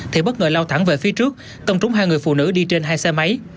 thì bất ngờ lao thẳng về phía trước tông trúng hai người phụ nữ đi trên hai xe máy